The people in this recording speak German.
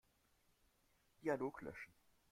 Dialog löschen.